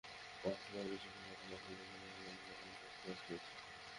পাঁচ লাখের বেশি ফ্রিল্যান্সার বাংলাদেশ থেকে বিভিন্ন অনলাইন মার্কেটপ্লেসে কাজ করছেন।